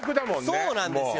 そうなんですよ。